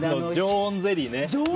常温ゼリーね。